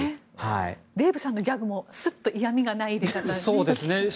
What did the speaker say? デーブさんのギャグもすっと嫌みがなくていいですね。